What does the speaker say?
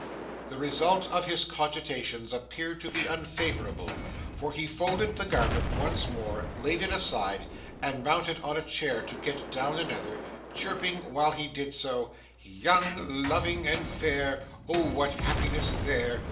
The result of his cogitations appeared to be unfavourable, for he folded the garment once more, laid it aside, and mounted on a chair to get down another, chirping while he did so: Young, loving, and fair, Oh what happiness there!